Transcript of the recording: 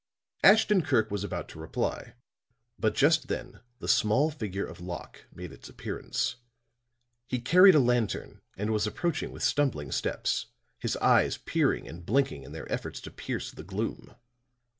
Ashton Kirk was about to reply; but just then the small figure of Locke made its appearance. He carried a lantern and was approaching with stumbling steps, his eyes peering and blinking in their efforts to pierce the gloom.